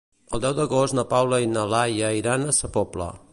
El deu d'agost na Paula i na Laia iran a Sa Pobla.